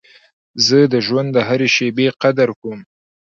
زه د ژوند د هري شېبې قدر کوم.